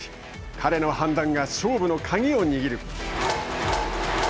彼の判断が勝負の鍵を握る。